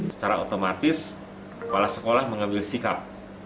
secara otomatis kepala sekolah mengambil sikap